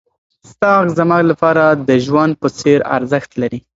ستا غږ زما لپاره د ژوند په څېر ارزښت لري.